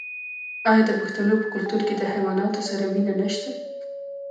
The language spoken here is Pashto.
آیا د پښتنو په کلتور کې د حیواناتو سره مینه نشته؟